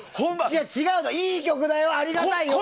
違うの、いい曲だよありがたいよ！